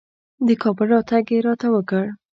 د کابل راتګ یې راته وکړ.